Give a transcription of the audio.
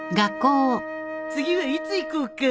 次はいつ行こうか。